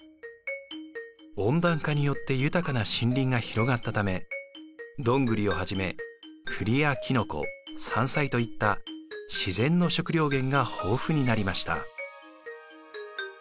温暖化によって豊かな森林が広がったためドングリをはじめクリやキノコ山菜といった自然の食料源が豊富になりました。